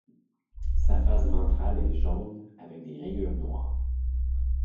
Sa face ventrale est jaune avec des rayures noires.